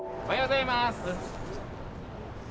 おはようございます！